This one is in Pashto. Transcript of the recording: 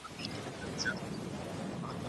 خوشحالي په خدمت کي ده.